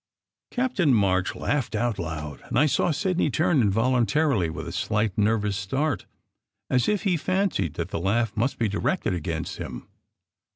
Captain March laughed out aloud, and I saw Sidney turn involuntarily with a slight, nervous start, as if he fancied that the laugh must be directed against him.